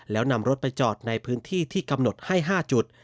แล้วนำรถไปจอดในพื้นที่ที่กำหนดให้๕จุด